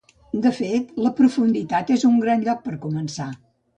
De fet, la profunditat és un gran lloc per començar.